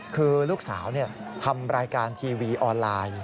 คือลูกสาวทำรายการทีวีออนไลน์